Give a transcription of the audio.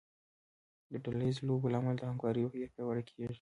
د ډله ییزو لوبو له امله د همکارۍ روحیه پیاوړې کیږي.